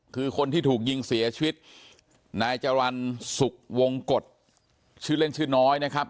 คือคนที่ถูกยิงเสียชีวิตนายจรรย์สุขวงกฎชื่อเล่นชื่อน้อยนะครับ